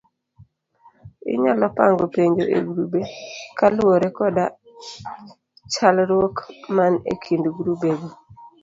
Inyalo pango penjo e grube kaluore koda chalruok man e kind grubego